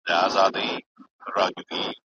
رحمان بابا یواځې شاعر نه و، بلکې صوفي هم و.